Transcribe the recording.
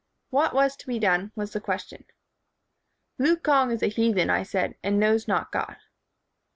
'What was to be done?' was the question." " 'Lukonge is a heathen,' I said, 'and knows not God.'